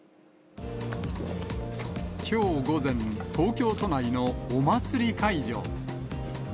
きょう午前、東京都内のお祭り会場。